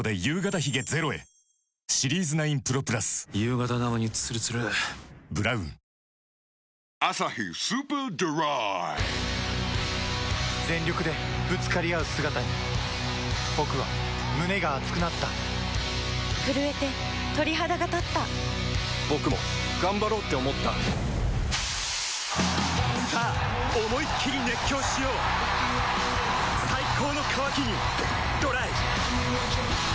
難しいところもあったと思いますが「アサヒスーパードライ」全力でぶつかり合う姿に僕は胸が熱くなった震えて鳥肌がたった僕も頑張ろうって思ったさあ思いっきり熱狂しよう最高の渇きにＤＲＹ